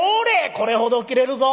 これほど切れるぞ！